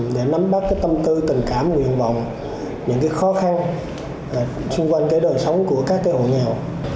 để nắm bắt tâm tư tình cảm nguyện mộng những khó khăn xung quanh đời sống của các hộ nghèo